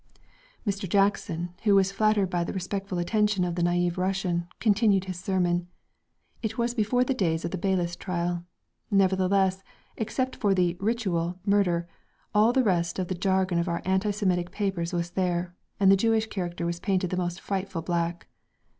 Mr. Jackson, who was flattered by the respectful attention of the naïve Russian, continued his sermon. It was before the days of the Beyliss trial. Nevertheless, except for the "ritual" murder, all the rest of the jargon of our anti Semitic papers was there, and the Jewish character was painted the most frightful black.